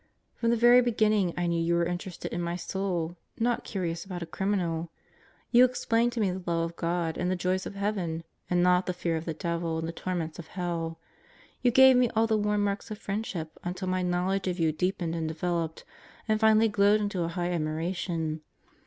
From the very beginning I knew you were interested in my soul, not curious about a criminal. You explained to me the love of God and the joys of heaven, and not the fear of the devil and the torments of hell. You gave me all the warm marks of friendship until my knowledge of you deepened and developed and finally glowed into a high admiration.